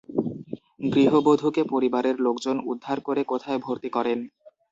গৃহবধূকে পরিবারের লোকজন উদ্ধার করে কোথায় ভর্তি করেন?